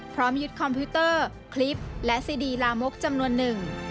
พร้อมยึดคอมพิวเตอร์คลิปและซีดีลามกจำนวนหนึ่ง